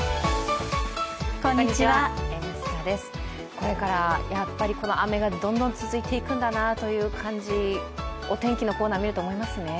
これから雨がどんどん続いていくんだなという感じ、お天気のコーナー見ると思いますね。